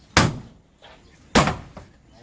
ตำรวจตำรวจแห่งมือแห่งมือ